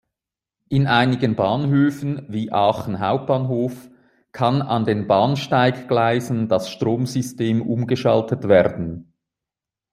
In einigen Bahnhöfen wie Aachen Hbf kann an den Bahnsteiggleisen das Stromsystem umgeschaltet werden.